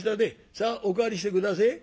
さあお代わりして下せえ。